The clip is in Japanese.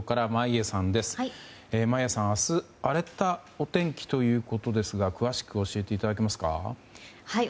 眞家さん、明日は荒れたお天気ということですが詳しく教えていただけますか？